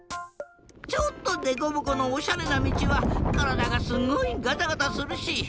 ちょっとデコボコのおしゃれなみちはからだがすごいガタガタするし。